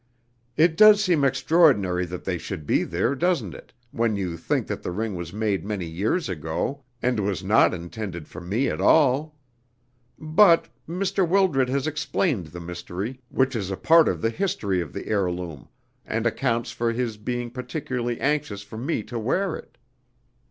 "It does seem extraordinary that they should be there, doesn't it, when you think that the ring was made many years ago, and was not intended for me at all? But Mr. Wildred has explained the mystery, which is a part of the history of the heirloom, and accounts for his being particularly anxious for me to wear it."